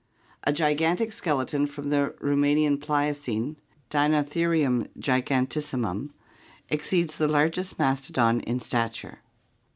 A gigan tic skeleton from the Roumanian Pliocene, Dinottferiwn gigantis simum, exceeds the largest mastodon in stature.